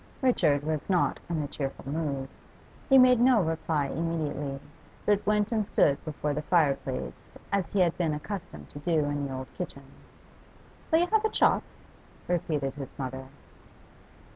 Richard was not in a cheerful mood. He made no reply immediately, but went and stood before the fireplace, as he had been accustomed to do in the old kitchen. 'Will you have a chop?' repeated his mother.